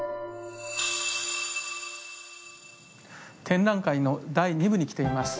展覧会の第２部に来ています。